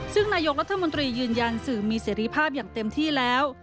ซึ่งนายกรัฐมนตรียืนยันสื่อมีเสรีภาพอย่างเต็มที่แล้ว